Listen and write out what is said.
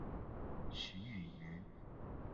许允人。